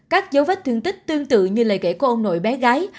các dấu vết thương tích tương tự như lời kể của ông nội bé gái